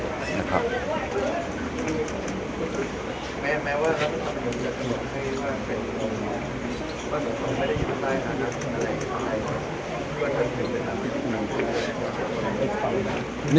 นี่คือกำตอบของผมส่วนคนอื่นก็เป็นอีกแนวหนึ่งก็ได้หรืออีกหลายแนวก็ได้